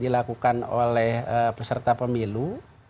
dilakukan oleh peserta pemilu